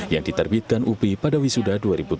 yang diterbitkan upi pada wisuda dua ribu tujuh belas